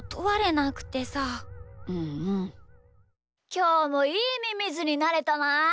きょうもいいミミズになれたな。